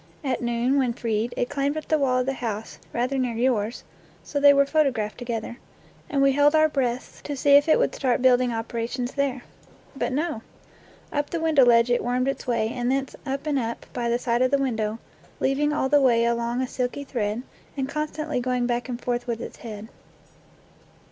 At noon, when freed, it climbed up the wall of the house rather near yours (so they were photographed together), and we held our breaths to see if it would start building operations there. But no. Up the window ledge it wormed its way, and thence up and up, by the side of the window, leaving all the way along a silky thread, and constantly going back and forth with its head.